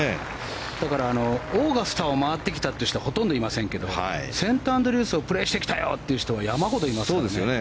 だから、オーガスタを回ってきたという人はほとんどいませんけどセントアンドリュースをプレーしてきたよという人は山ほどいますからね。